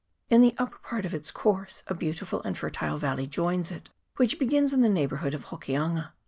In the upper part of its course a beautiful and fertile valley joins it, which begins in the neigh bourhood of Hokianga.